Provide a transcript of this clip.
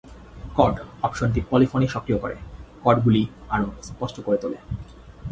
'Cord' অপশনটি polyphony সক্রিয় করে, কর্ডগুলি আরও স্পষ্ট করে তোলে।